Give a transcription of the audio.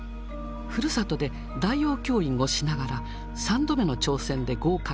ふるさとで代用教員をしながら３度目の挑戦で合格。